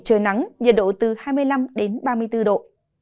trời nắng nhiệt độ từ hai mươi năm đến ba mươi bốn độ